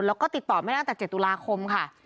แล้วก็ติดต่อไม่ได้ตั้งแต่๗ตุลาคมค่ะ